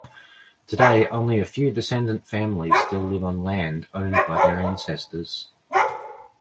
Today, only a few descendant families still live on land owned by their ancestors.